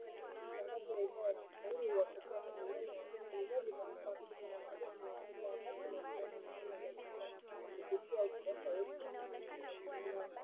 Matangazo ya Idhaa ya Kiswahili huwafikia mamilioni ya wasikilizaji katika Afrika Mashariki na Afrika ya kati na sehemu nyingine za dunia kupitia ukurasa wetu wa mtandao.